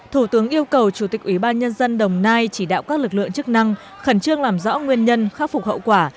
thủ tướng yêu cầu chủ tịch ủy ban nhân dân đồng nai chỉ đạo các lực lượng chức năng khẩn trương làm rõ nguyên nhân khắc phục hậu quả